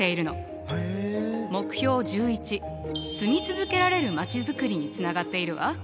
目標１１住み続けられるまちづくりにつながっているわ。